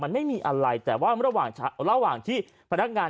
มันไม่ระเบิดแบบทันทีทันใด